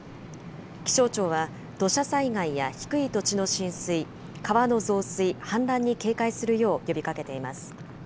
気象庁は土砂災害や低い土地の浸水、川の増水、氾濫に警戒するよう呼びかけています。